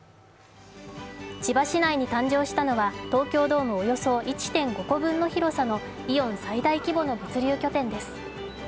千葉市内に誕生したのは東京ドームおよそ１．５個分の広さのイオン最大規模の物流拠点です。